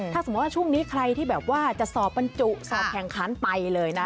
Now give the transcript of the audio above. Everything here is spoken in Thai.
ถ้าสมมุติว่าช่วงนี้ใครที่แบบว่าจะสอบบรรจุสอบแข่งขันไปเลยนะ